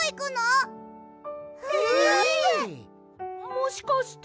もしかして。